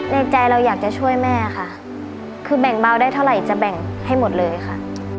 ในใจเราอยากจะช่วยแม่ค่ะคือแบ่งเบาได้เท่าไหร่จะแบ่งให้หมดเลยค่ะ